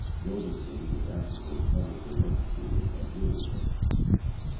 Roberson was afterward publicly executed at Louisville.